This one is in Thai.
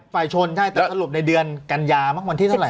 ฝ่ายชนใช่แต่สรุปในเดือนกัญญามักวันที่เท่าไ